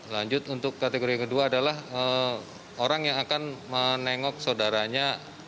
lanjut untuk kategori kedua adalah orang yang akan menengok saudaranya